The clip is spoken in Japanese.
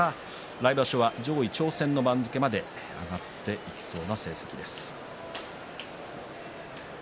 来場所は上位挑戦の番付まで上がっていきそうな成績です。